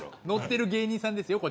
乗ってる芸人さんです